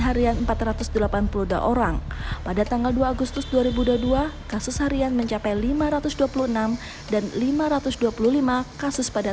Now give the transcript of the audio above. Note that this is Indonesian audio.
harian empat ratus delapan puluh dua orang pada tanggal dua agustus dua ribu dua puluh dua kasus harian mencapai lima ratus dua puluh enam dan lima ratus dua puluh lima kasus pada